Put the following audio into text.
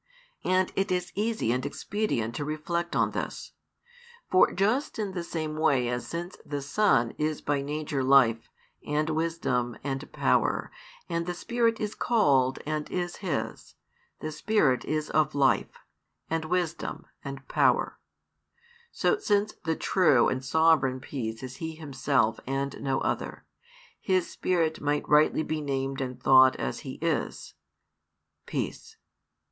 And it is easy and expedient to reflect on this. For just in the same way as since the Son is by nature life, and wisdom, and power, and the Spirit is called and is His, the Spirit is of life, and wisdom, and power; so since the true and sovereign peace is He Himself and no other, His Spirit might rightly be named and thought as He is " peace."